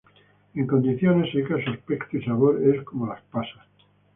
En condiciones secas, su aspecto y sabor es como las pasas.